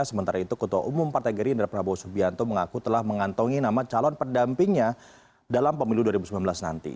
sementara itu ketua umum partai gerindra prabowo subianto mengaku telah mengantongi nama calon pendampingnya dalam pemilu dua ribu sembilan belas nanti